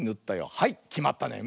はいきまったね。